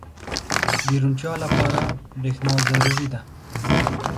• د روڼتیا لپاره برېښنا ضروري ده.